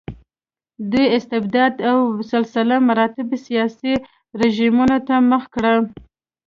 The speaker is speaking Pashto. دوی استبدادي او سلسله مراتبي سیاسي رژیمونو ته مخه کړه.